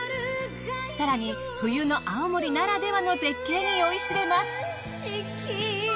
更に冬の青森ならではの絶景に酔いしれます。